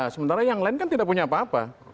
karena yang lain kan tidak punya apa apa